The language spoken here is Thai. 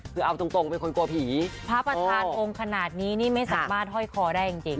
คือเอาตรงตรงเป็นคนกว่าผีพระประธาตุองขนาดนี้นี่ไม่สักบาทห้อยคอได้จริงจริง